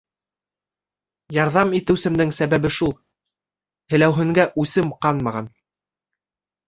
Ярҙам итеүсмдең сәбәбе шул: һеләүһенгә үсем ҡанмаған.